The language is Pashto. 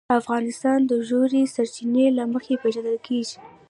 افغانستان د ژورې سرچینې له مخې پېژندل کېږي.